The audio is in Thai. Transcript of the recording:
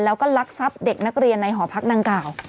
แล้วก็ลักทรัพย์เด็กนักเรียนในหอพักดังกล่าว